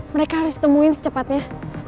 mereka harus ditemuin secepatnya